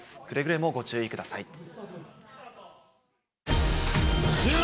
くれぐれもご注意ください。